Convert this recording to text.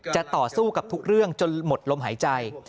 จะต่อสู้กับทุกเรื่องจนหมดลมหายใจ